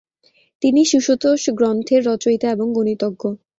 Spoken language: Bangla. তিনি শিশুতোষ গ্রন্থের রচয়িতা এবং গণিতজ্ঞ।